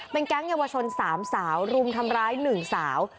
เป็นแก๊งเยาวชน๓สาว